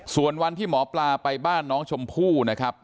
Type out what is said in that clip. ส่วนวันที่หมอปลาไปบ้านน้องชมพู่นะครับ